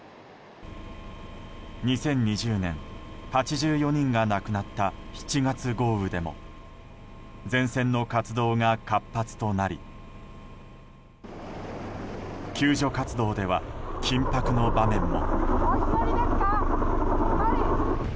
２０２０年８４人が亡くなった７月豪雨でも前線の活動が活発となり救助活動では緊迫の場面も。